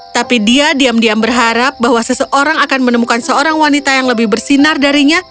tapi dia diam diam berharap bahwa seseorang akan menemukan seorang wanita yang lebih bersinar darinya